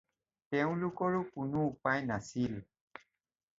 তেওঁলোকৰো কোনো উপায় নাছিল।